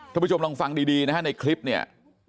ผู้ชมลองฟังดีนะฮะในคลิปเนี่ย